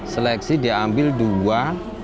seleksi diambil dua